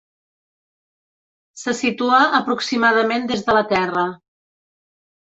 Se situa aproximadament des de la Terra.